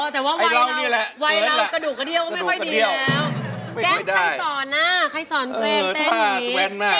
อ๋อแต่ว่าวัยลำกระดูกกระเดียวก็ไม่ค่อยดีแล้วแก้มใครสอนน่ะใครสอนเกลียงเต้นอย่างนี้